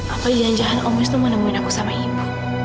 apa janjian om wisnu menemuin aku sama ibu